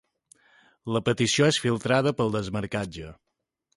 La petició és filtrada pel desmarcatge.